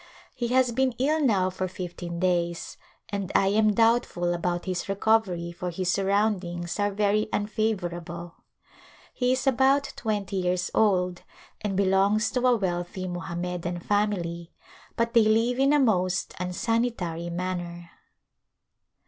He has been ill now for fifteen days and I am doubtful about his recovery for his sur roundings are very unfavorable. He is about twenty years old and belongs to a wealthy Mohammedan family, but they live in a most unsanitary manner.